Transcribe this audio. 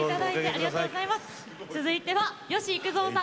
続いては吉幾三さん